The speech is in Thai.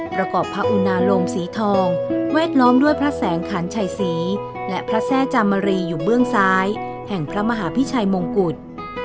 ประกอบพระอุณาโลมสีทองแวดล้อมด้วยพระแสงขันชัยศรีและพระแทร่จามรีอยู่เบื้องซ้ายแห่งพระมหาพิชัยมงกุฎ